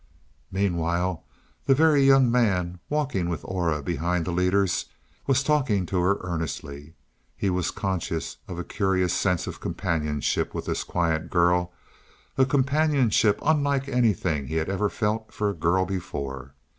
Meanwhile the Very Young Man, walking with Aura behind the leaders, was talking to her earnestly. He was conscious of a curious sense of companionship with this quiet girl a companionship unlike anything he had ever felt for a girl before.